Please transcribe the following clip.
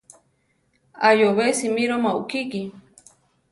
Ayóbe simíroma ukiki.